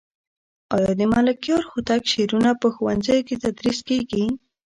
آیا د ملکیار هوتک شعرونه په ښوونځیو کې تدریس کېږي؟